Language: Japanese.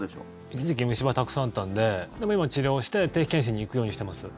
一時期虫歯がたくさんあったのででも、今は治療して定期検診に行くようにしてます。